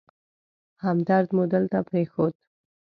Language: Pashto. همدرد مو دلته پرېښود.